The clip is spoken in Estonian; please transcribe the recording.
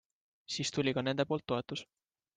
Siis tuli ka nende poolt toetus.